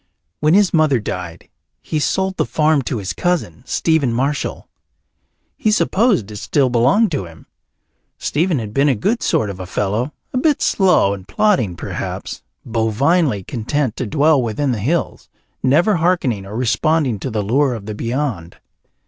When his mother died he sold the farm to his cousin, Stephen Marshall. He supposed it still belonged to him. Stephen had been a good sort of a fellow, a bit slow and plodding, perhaps, bovinely content to dwell within the hills, never hearkening or responding to the lure of the beyond.